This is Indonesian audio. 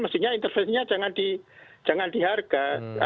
mestinya intervensinya jangan diharga